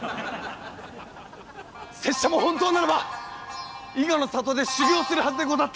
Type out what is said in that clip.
拙者も本当ならば伊賀の里で修行するはずでござった！